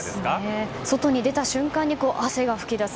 外に出た瞬間に汗が噴き出す。